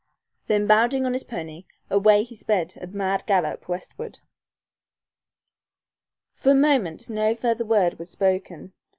Then bounding on his pony, away he sped at mad gallop, westward. For a moment no further word was spoken.